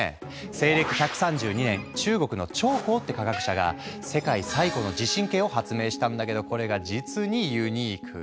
西暦１３２年中国の張衡って科学者が世界最古の地震計を発明したんだけどこれが実にユニーク。